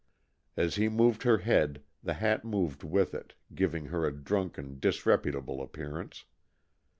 As she moved her head the hat moved with it, giving her a drunken, disreputable appearance.